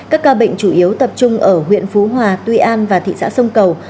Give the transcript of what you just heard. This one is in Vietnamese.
các ca bệnh chủ yếu tập trung ở huyện phú hòa tuy an và thị xã sông cầu